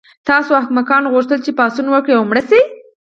تاسو احمقانو غوښتل چې پاڅون وکړئ او مړه شئ